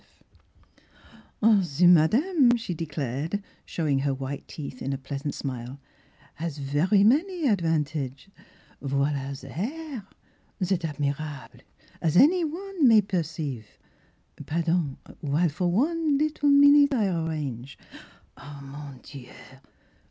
*'Ze madame," she declared, showing her white teeth in a pleasant smile, *'has very many advantage. Voildy ze hair — c est admirable, as any one may perceive ! Par don, while for one little min ute I arrange ! Ah — mon dieu